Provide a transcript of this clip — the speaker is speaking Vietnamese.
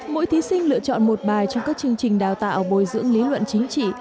mỗi thí sinh lựa chọn một bài trong các chương trình đào tạo bồi dưỡng lý luận chính trị